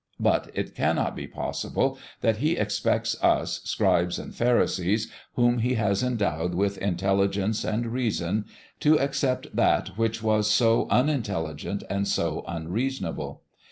But it cannot be possible that He expects us, scribes and pharisees, whom He has endowed with intelligence and reason, to accept that which was so unintelligent and so unreasonable.